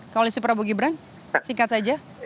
koalisi prabowo gibran singkat saja